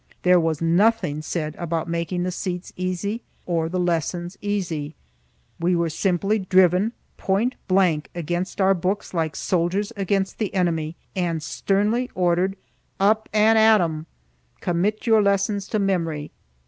There was nothing said about making the seats easy or the lessons easy. We were simply driven pointblank against our books like soldiers against the enemy, and sternly ordered, "Up and at 'em. Commit your lessons to memory!"